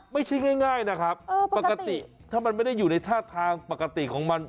ไม่ใช่ง่ายนะครับปกติถ้ามันไม่ได้อยู่ในท่าทางปกติของมัน